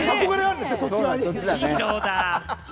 ヒーローだ。